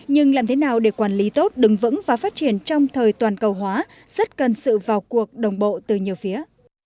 nhưng làm thế nào để quản lý tốt đứng vững và phát triển trong thời toàn cầu hóa rất cần sự vào cuộc đồng bộ từ nhiều phía